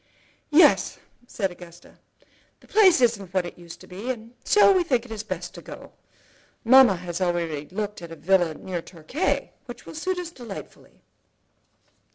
"Yes," said Augusta, "the place isn't what it used to be, and so we think it best to go. Mamma has already looked at a villa near Torquay, which will suit us delightfully."